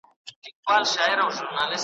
ځاي پر ځای مړ سو سفر یې نیمه خوا سو .